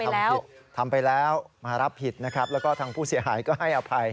ทำผิดทำไปแล้วมารับผิดนะครับแล้วก็ทางผู้เสียหายก็ให้อภัย